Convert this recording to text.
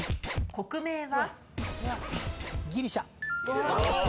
国名は？